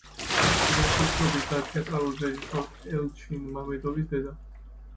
კინომსახიობის და თეატრალური რეჟისორ ელჩინ მამედოვის დედა.